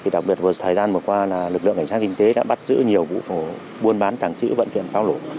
đặc biệt vừa thời gian vừa qua lực lượng cảnh sát kinh tế đã bắt giữ nhiều vụ buôn bán tảng chữ vận chuyển pháo nổ